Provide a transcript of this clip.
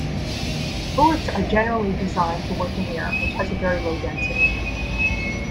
Bullets are generally designed to work in air, which has a very low density.